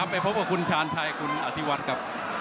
ไปพบกับคุณชาญชัยคุณอธิวัฒน์ครับ